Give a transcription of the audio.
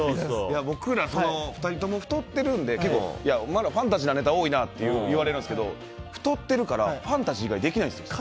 僕ら２人とも太ってるんでファンタジーなネタ多いって言われるんですけど太ってるからファンタジーなネタができないんですよ。